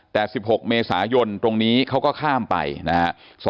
แต่๑๖เมษายนตรงนี้เขาก็ข้ามไปนะครับ